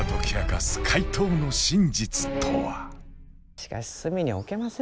しかし隅に置けませんね